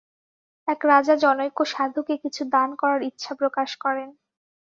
এক রাজা জনৈক সাধুকে কিছু দান করার ইচ্ছা প্রকাশ করেন।